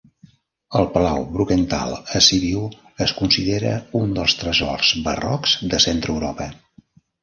El Palau Brukenthal a Sibiu es considera un dels tresors barrocs de Centreeuropa.